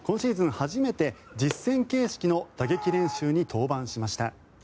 初めて実戦形式の打撃練習に登板しました。